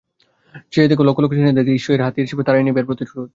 চেয়ে দেখ লক্ষ লক্ষ চীনাদের দিকে, ঈশ্বরের হাতিয়ার হিসাবে তারাই নেবে এর প্রতিশোধ।